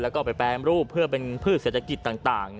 แล้วก็ไปแปรรูปเพื่อเป็นพืชเศรษฐกิจต่าง